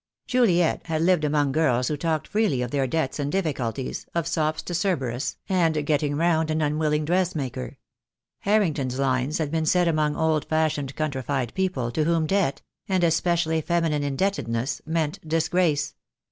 Juliet had lived among girls who talked freely of their debts and difficulties, of sops to Cerberus, and getting round an unwilling dressmaker. Harrington's lines had been set among old fashioned countrified people, to whom debt — and especially feminine indebtedness — meant disgrace.